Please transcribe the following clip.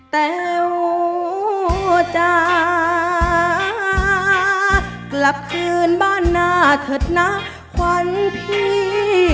แต้วจ้ากลับคืนบ้านหน้าเถิดนะขวัญพี่